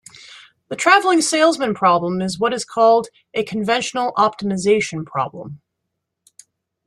The traveling salesman problem is what is called a conventional optimization problem.